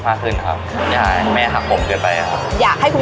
มีขอเสนออยากให้แม่หน่อยอ่อนสิทธิ์การเลี้ยงดู